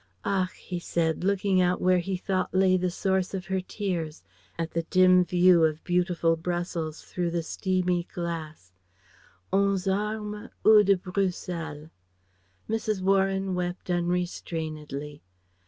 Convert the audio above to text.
"Ach," he said, looking out where he thought lay the source of her tears, at the dim view of beautiful Brussels through the steamy glass, "Onze arme, oude Brüssel." Mrs. Warren wept unrestrainedly.